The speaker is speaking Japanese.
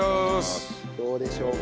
どうでしょうか？